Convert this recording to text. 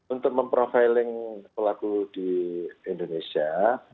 untuk memprofiling pelaku di indonesia